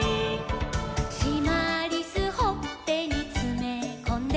「しまりすほっぺにつめこんで」